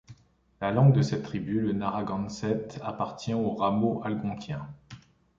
La langue de cette tribu, le narragansett, appartient au rameau algonquien.